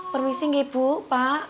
permisi nggak ibu pak